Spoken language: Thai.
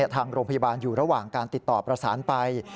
ทางโรงพยาบาลอยู่ระหว่างการติดต่อประสานไป